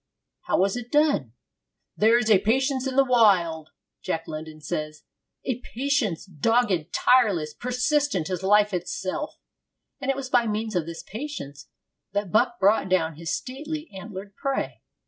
How was it done? 'There is a patience in the wild,' Jack London says, 'a patience dogged, tireless, persistent as life itself'; and it was by means of this patience that Buck brought down his stately antlered prey.